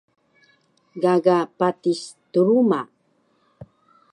Gaga patis truma